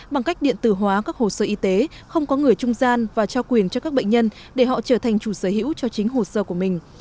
bằng cách điện tử hóa các hồ sơ y tế không có người trung gian và trao quyền cho các bệnh nhân để họ trở thành chủ sở hữu cho chính hồ sơ của mình